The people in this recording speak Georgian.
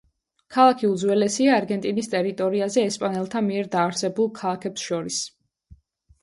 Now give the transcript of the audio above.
ქალაქი უძველესია არგენტინის ტერიტორიაზე ესპანელთა მიერ დაარსებულ ქალაქებს შორის.